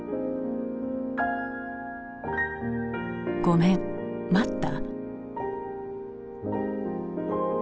「ごめん待った？」。